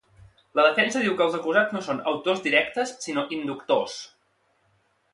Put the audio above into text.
La defensa diu que els acusats no són "autors directes" sinó "inductors".